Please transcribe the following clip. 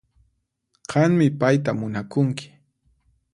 Qanmi payta munakunki